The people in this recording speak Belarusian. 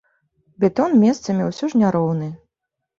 Бетон месцамі ўсё ж няроўны.